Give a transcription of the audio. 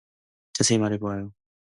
자세히 말해보세요.